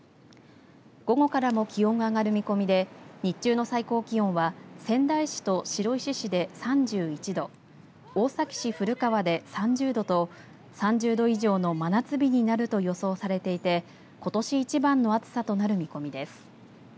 午後からも気温が上がる見込みで日中の最高気温は仙台市と白石市で３１度大崎市古川で３０度と３０度以上の真夏日になると予想されていてことし一番の暑さとなる見込みです。